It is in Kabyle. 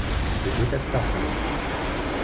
Yuwi tastaɣt-is.